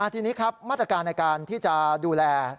ทีนี้ครับมาตรการในการที่จะดูแล